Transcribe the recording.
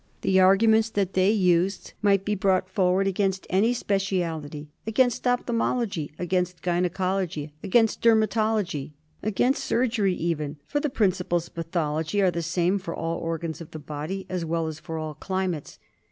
The arguments they used might be brought forward against any speciality — against opthalmology, against gynaecology, against der matology, against surgery even, for the principles of pathology are the same for all organs of the body, as well as for all climates.